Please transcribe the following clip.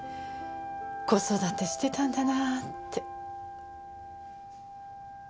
子育てしてたんだなって。